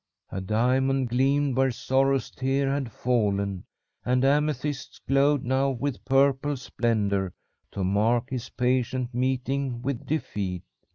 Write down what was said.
A diamond gleamed where Sorrow's tear had fallen, and amethysts glowed now with purple splendour to mark his patient meeting with Defeat.